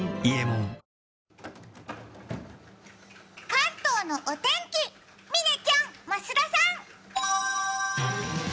関東のお天気嶺ちゃん、増田さん！